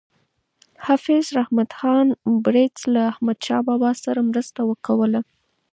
حافظ رحمت خان بړیڅ له احمدشاه بابا سره مرسته کوله.